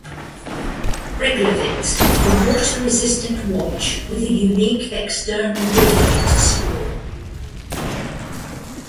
Reglavit, a water resistant watch with a unique external regulator screw.